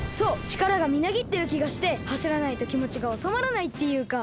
ちからがみなぎってるきがしてはしらないときもちがおさまらないっていうか。